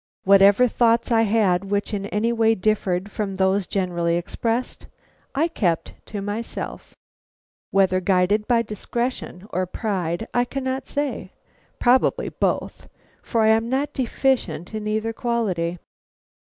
Whatever thoughts I had which in any way differed from those generally expressed, I kept to myself, whether guided by discretion or pride, I cannot say; probably by both, for I am not deficient in either quality.